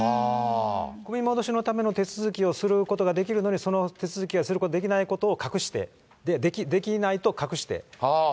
組み戻しのための手続きをすることができるのにその手続きをすることできないことを隠して、できないと隠して。